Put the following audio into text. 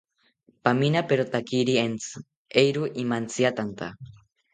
Paminaperotakiri entzi, eero imantziatanta